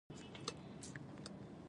راته زنګ راغی چې صبا الوتنه ده.